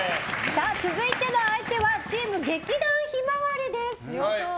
続いての相手はチーム劇団ひまわりです。